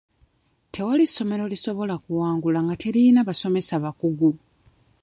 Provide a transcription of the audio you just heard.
Tewali ssomero lisobola kuwangula nga teriyina basomesa bakugu.